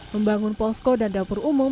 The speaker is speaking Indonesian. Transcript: membangun posko dan dapur umum